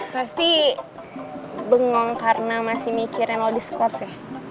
pasti bengong karena masih mikirin lo diskors ya